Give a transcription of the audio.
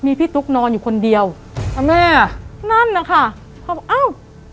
มีพี่ตุ๊กนอนอยู่คนเดียวนะแม่นั่นนะคะเขาบอกอ้าว